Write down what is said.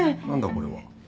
これは。